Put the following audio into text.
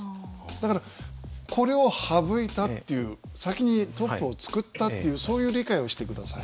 だからこれを省いたっていう先にトップを作ったっていうそういう理解をして下さい。